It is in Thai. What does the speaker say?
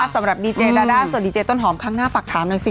สำหรับดีเจดาด้าสวัสดีเจต้นหอมครั้งหน้าฝากถามหน่อยสิ